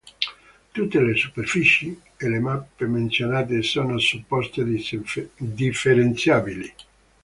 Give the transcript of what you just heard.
Tutte le superfici e le mappe menzionate sono supposte differenziabili.